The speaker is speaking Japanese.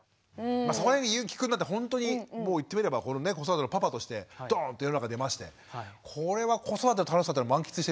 そこら辺ゆーきくんなんてほんとにもう言ってみれば子育てのパパとしてドン！と世の中出ましてこれは子育ての楽しさっていうのは満喫してる感じですか？